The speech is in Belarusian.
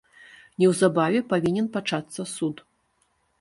Неўзабаве павінен пачацца суд.